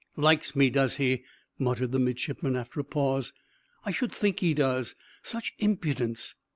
"Likes me, does he?" muttered the midshipman, after a pause. "I should think he does. Such impudence!